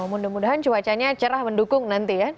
mudah mudahan cuacanya cerah mendukung nanti ya